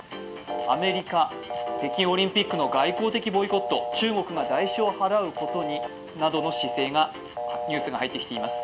アメリカ、北京オリンピックの外交的ボイコット、中国が「代償を払うことに」などのニュースが入ってきています。